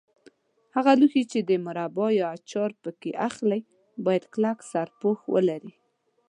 هغه لوښي چې مربا یا اچار پکې اخلئ باید کلک سرپوښ ولري.